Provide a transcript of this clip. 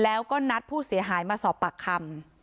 แล้วก็นัดผู้เสียหายมาสอบปากคำ